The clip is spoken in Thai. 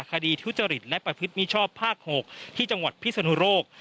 ทุจริตและประพฤติมิชชอบภาค๖ที่จังหวัดพิศนุโรค